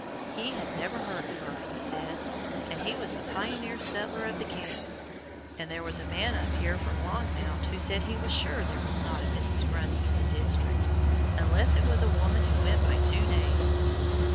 He had never heard of her, he said, and he was the pioneer settler of the canyon, and there was a man up here from Longmount who said he was sure there was not a Mrs. Grundy in the district, unless it was a woman who went by two names!